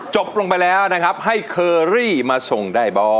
จบลงไปแล้วนะครับให้เคอรี่มาส่งได้บ่